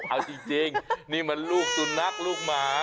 เอาจริงนี่มันลูกสุนัขลูกหมา